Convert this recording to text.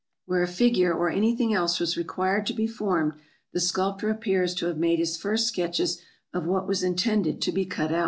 Where a figure or anything else was required to be formed, the sculptor appears to have made his first sketches of what was intended to be cut out.